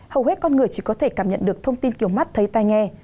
hầu hết con người chỉ có thể cảm nhận được thông tin kiểu mắt thấy tai nghe